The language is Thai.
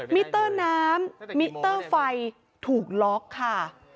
มิเตอร์น้ำมิเตอร์ไฟถูกล็อกค่ะ